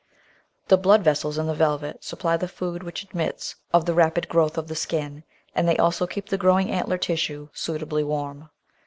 The blood vessels in the velvet supply the food which admits of the rapid growth of the skin, and they also keep the growing antler tissue suitably warm.